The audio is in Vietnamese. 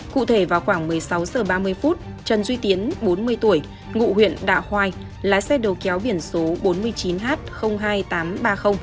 cụ thể vào khoảng một mươi sáu h ba mươi phút trần duy tiến bốn mươi tuổi ngụ huyện đạ hoai lái xe đầu kéo biển số bốn mươi chín h hai nghìn tám trăm ba mươi